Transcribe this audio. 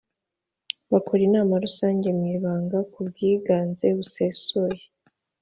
Bakora inama Rusange mu ibanga ku bwiganze busesuye